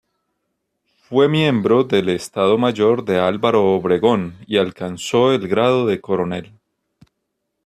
Fue miembro del Estado Mayor de Álvaro Obregón y alcanzó el grado de coronel.